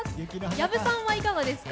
薮さんはいかがですか？